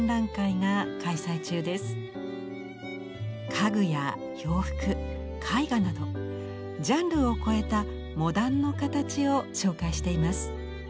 家具や洋服絵画などジャンルを超えた「モダンの形」を紹介しています。